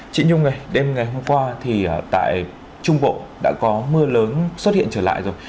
chị nhung này đêm ngày hôm qua thì tại trung bộ đã có mưa lớn xuất hiện trở lại rồi